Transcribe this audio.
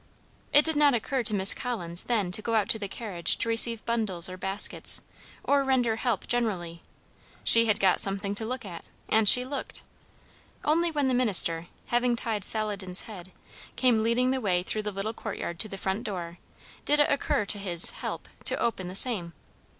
It did not occur to Miss Collins then to go out to the carriage to receive bundles or baskets or render help generally; she had got something to look at, and she looked. Only when the minister, having tied Saladin's head, came leading the way through the little courtyard to the front door, did it occur to his "help" to open the same.